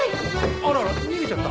あらら逃げちゃった。